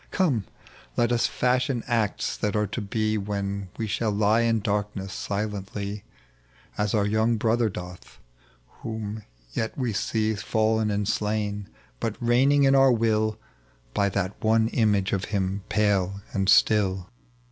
Come, let us. fashion acts that are to be, When we shall lie in darkness silently. As our young brother doth, whom yet we see Fallen and slain, but reigning in our will By that one image of him pale and stiil."